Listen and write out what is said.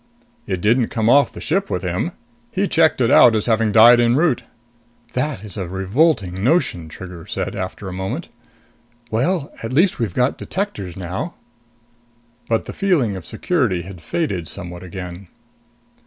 "It didn't come off the ship with him. He checked it out as having died en route." "That is a revolting notion!" Trigger said after a moment. "Well, at least we've got detectors now." But the feeling of security had faded somewhat again.